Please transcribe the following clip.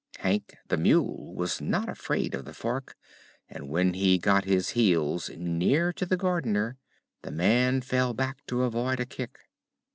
Hank the mule was not afraid of the fork and when he got his heels near to the Gardener the man fell back to avoid a kick.